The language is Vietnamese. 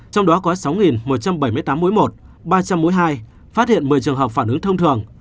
trong đó có sáu một trăm bảy mươi tám mối một ba trăm linh mối hai phát hiện một mươi trường hợp phản ứng thông thường